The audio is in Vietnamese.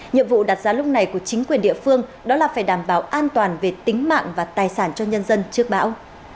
nhiệm vụ đặt ra lúc này của chính quyền địa phương đó là phải đảm bảo an toàn về tính mạng và tài sản cho nhân dân trước bão